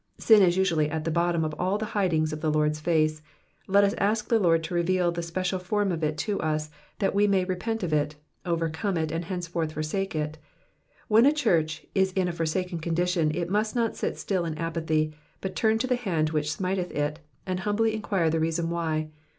Sin is usually at the bottom of all the hidings of the Lord^s face ; let us ask the Lord to reveal the special form of it to us, that we may repent of it, overcome it, and henceforth forsake it. When a church is in a forsaken condition it must not sit still in apathy, but turn to the hand which Digitized by VjOOQIC 368 EXPOSITIONS OF THE PSALMS. smiteth it, and humbly enquire the reason why.